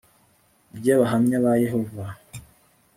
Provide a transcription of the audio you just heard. ry Abahamya ba Yehova